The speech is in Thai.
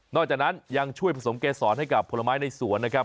จากนั้นยังช่วยผสมเกษรให้กับผลไม้ในสวนนะครับ